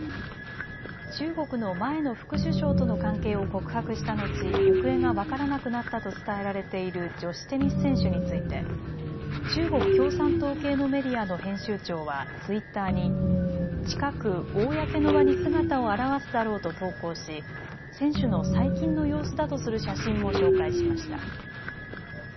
中国の前の副首相との関係を告白した後、行方が分からなくなったと伝えられている女子テニス選手について中国共産党系のメディアの編集長はツイッターに近く公の場に姿を現すだろうと投稿し選手の最近の様子だとする写真も紹介しました。